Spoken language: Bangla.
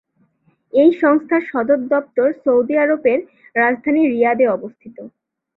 এই সংস্থার সদর দপ্তর সৌদি আরবের রাজধানী রিয়াদে অবস্থিত।